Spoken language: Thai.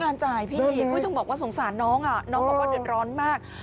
พนักงานจ่ายพี่พี่ต้องบอกว่าสงสารน้องอ่ะน้องบอกว่าเดือดร้อนมาก